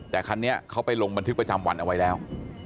แต่คันนี้เขาไปลงบันทึกประจำวันเอาไว้แล้ว